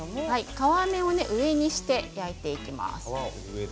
皮目を上にして焼いていきます。